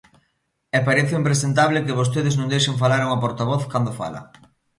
E parece impresentable que vostedes non deixen falar a unha portavoz cando fala.